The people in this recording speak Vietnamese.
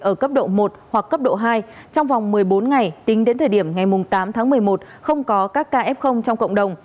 ở cấp độ một hoặc cấp độ hai trong vòng một mươi bốn ngày tính đến thời điểm ngày tám tháng một mươi một không có các ca f trong cộng đồng